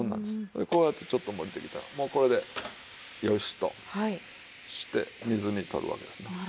でこうやってちょっと漏れてきたらもうこれでよしとして水にとるわけですね。